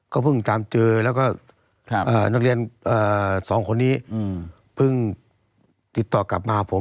ก็เพิ่งตามเจอแล้วก็นักเรียน๒คนนี้เพิ่งติดต่อกลับมาผม